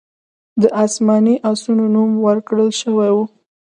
د اسماني آسونو نوم ورکړل شوی و